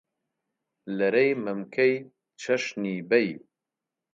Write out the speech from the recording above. لەرەی مەمکەی چەشنی بەی